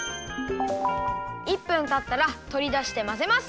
１分たったらとりだしてまぜます！